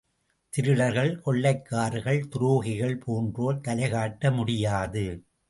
திருடர்கள், கொள்ளைக்காரர்கள், துரோகிகள் போன்றோர் தலைகாட்ட முடியாது.